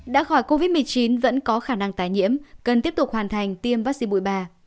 đã khỏi covid một mươi chín vẫn có khả năng tái nhiễm cần tiếp tục hoàn thành tiêm vaccine bụi ba